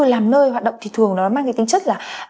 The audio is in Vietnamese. làm nơi hoạt động thì thường nó mang cái tính chất là